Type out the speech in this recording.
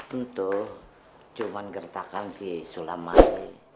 tentu cuman gertakan sih sulamali